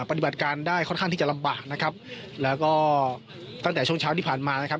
ปฏิบัติการได้ค่อนข้างที่จะลำบากนะครับแล้วก็ตั้งแต่ช่วงเช้าที่ผ่านมานะครับ